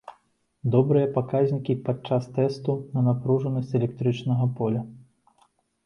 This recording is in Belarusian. Добрыя паказчыкі і пад час тэсту на напружанасць электрастатычнага поля!